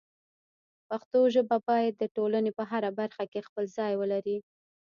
پښتو ژبه باید د ټولنې په هره برخه کې خپل ځای ولري.